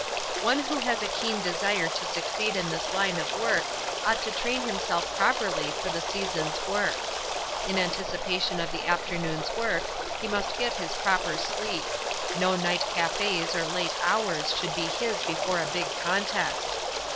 One who has a keen desire to succeed in this line of work ought to train himself properly for the season's work. In anticipation of the afternoon's work, he must get his proper sleep; no night cafés or late hours should be his before a big contest.